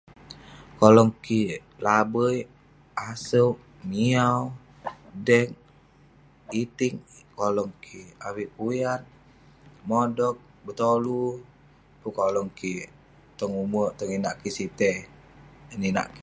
Kolong kik labeik, asouk, miaw, deg, itig. Kolong kik, avik kuyat, modog, betolu, pun kolong kik. tong ume', tong inak kik sitey. eh ninak kik.